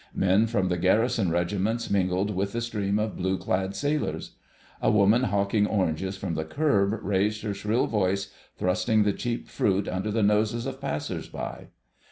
Men from the garrison regiments mingled with the stream of blue clad sailors. A woman hawking oranges from the kerb raised her shrill voice, thrusting the cheap fruit under the noses of passers by.